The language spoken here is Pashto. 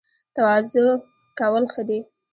تواضع کول ښه دي